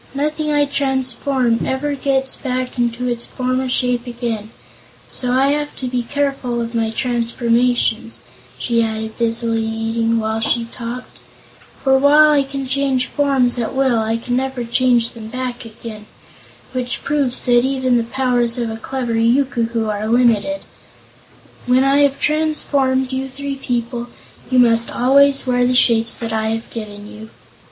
Nothing I transform ever gets back to its former shape again, so these fish balls can never more be pebbles. That is why I have to be careful of my transformations," she added, busily eating while she talked, "for while I can change forms at will I can never change them back again which proves that even the powers of a clever Yookoohoo are limited. When I have transformed you three people, you must always wear the shapes that I have given you."